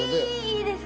いいです。